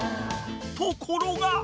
［ところが］